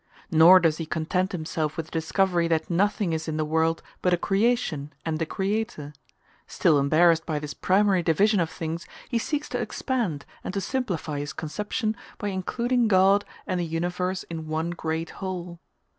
Nor does he content himself with the discovery that nothing is in the world but a creation and a Creator; still embarrassed by this primary division of things, he seeks to expand and to simplify his conception by including God and the universe in one great whole.